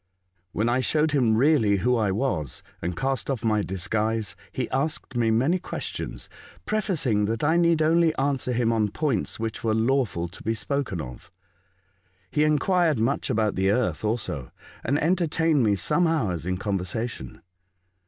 When I showed him really who I was, and cast off my disguise, he asked me many questions, pre facing that I need only answer him on points which were lawful to be spoken of. He enquired much about the earth also, and enter tained me some hours in conversation.